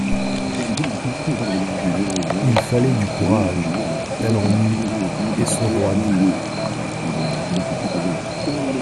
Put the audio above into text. Il fallait du courage ; elle en eut, et se roidit.